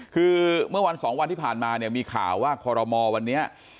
คือเมื่อวัน๒วันที่ผ่านมามีข่าวว่าคอรมอวันนี้